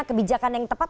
kebijakan yang tepat